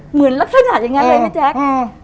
เหมือนลักษณะอย่างนั้นเลยแม่แจ๊ค